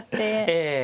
ええ。